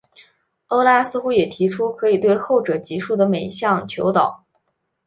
欧拉似乎也提出可以对后者级数的每项求导。